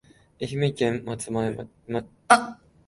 愛媛県松前町